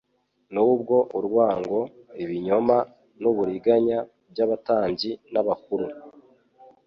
Nubwo urwango, ibinyoma, n'uburinganya by'abatambyi n'abakuru